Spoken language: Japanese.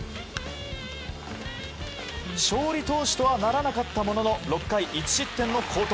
勝利投手とはならなかったものの６回１失点の好投。